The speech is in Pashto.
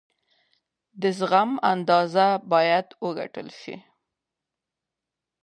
د زغم اندازه باید وکتل شي.